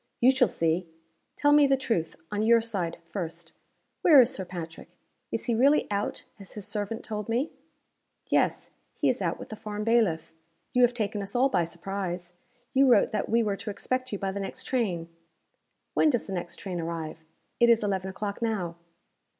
"You shall see. Tell me the truth, on your side, first. Where is Sir Patrick? Is he really out, as his servant told me?" "Yes. He is out with the farm bailiff. You have taken us all by surprise. You wrote that we were to expect you by the next train." "When does the next train arrive? It is eleven o'clock now."